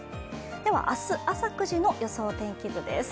では明日朝９時の予想天気図です。